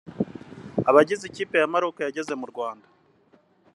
Abagize ikipe ya Maroc yageze mu Rwanda